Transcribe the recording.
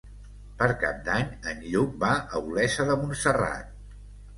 Per Cap d'Any en Lluc va a Olesa de Montserrat.